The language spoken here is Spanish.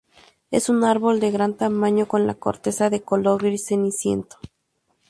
Es un árbol de gran tamaño con la corteza de color gris ceniciento.